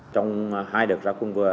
trong hai đợt ra quân vừa